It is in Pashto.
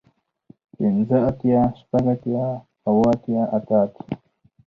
پنځۀ اتيا شپږ اتيا اووه اتيا اتۀ اتيا